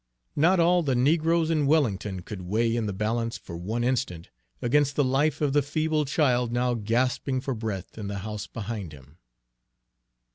Not all the negroes in Wellington could weigh in the balance for one instant against the life of the feeble child now gasping for breath in the house behind him.